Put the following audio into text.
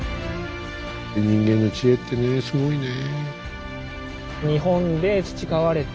人間の知恵ってねすごいね。